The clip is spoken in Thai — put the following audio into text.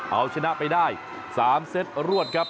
เอาชนะไปได้๓เซตรวดครับ